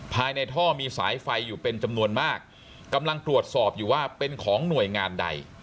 ภายในท่อมีสายไฟอยู่เป็นจำนวนมากกำลังตรวจสอบอยู่ว่าเป็นของหน่วยงานใด